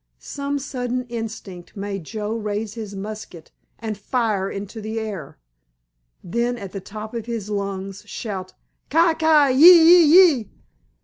Some sudden instinct made Joe raise his musket and fire into the air. Then at the top of his lungs shout, "Ki ki ee ee ee!"